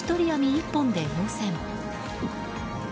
１本で応戦。